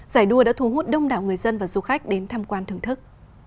giải đua đã thu hút đông đảo người dân và du khách đến tham quan thưởng thức